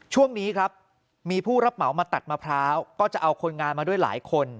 ช่วงนี้ครับมีผู้รับเหมามาตัดมะพร้าวก็จะเอาคนงานมาด้วยหลายคน